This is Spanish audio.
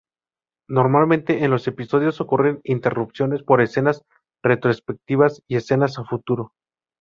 Normalmente en los episodios ocurren interrupciones por escenas retrospectivas y escenas a futuro.